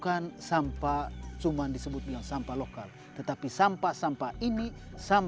setiap pagi kita harus ngerjakan kita ada yang bagian besar